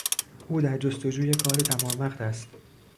او در جستجوی کار تمام وقت است.